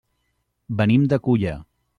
Venim de Culla.